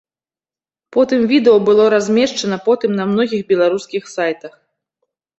Потым відэа было размешчана потым на многіх беларускіх сайтах.